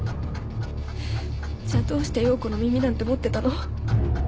じゃあどうして葉子の耳なんて持ってたの？